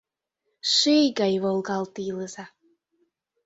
Ший гай волгалт илыза.